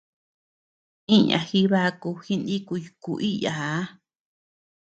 Iña jibaku jinikuy kuíyaa.